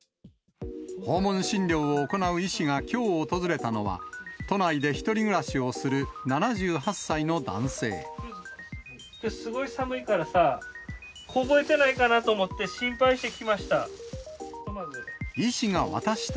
訪問診療を行う医師がきょう訪れたのは、都内で１人暮らしをするすごい寒いからさ、凍えてないかなと思って、心配して来ました。